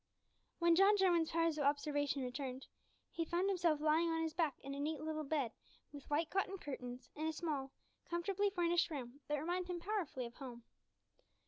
When John Jarwin's powers of observation returned, he found himself lying on his back in a neat little bed, with white cotton curtains, in a small, comfortably furnished room, that reminded him powerfully of home!